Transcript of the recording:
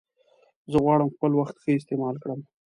زه غواړم خپل وخت ښه استعمال کړم.